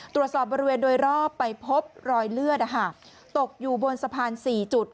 ตรวจสอบบริเวณโดยรอบไปพบรอยเลือดตกอยู่บนสะพาน๔จุด